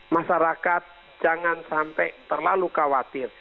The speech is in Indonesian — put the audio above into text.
masyarakat jangan sampai terlalu khawatir